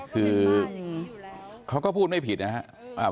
คือเขาก็พูดไม่ผิดนะครับ